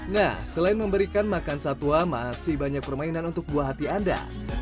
nah selain memberikan makan satwa masih banyak permainan untuk buah hati anda